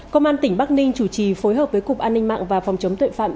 công an tỉnh bắc ninh chủ trì phối hợp với cục an ninh mạng và phòng chống tội phạm